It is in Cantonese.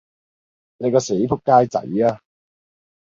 你個死仆街仔吖！